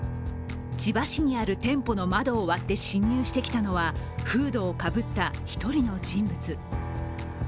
千葉市にある店舗の窓を割って侵入してきたのは、フードをかぶった１人の人物。